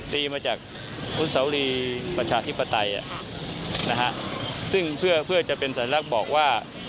ดีมาจากอนุสาวรีประชาธิปไตยนะฮะซึ่งเพื่อจะเป็นสัญลักษณ์บอกว่า